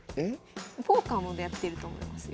ポーカーもやってると思いますよ。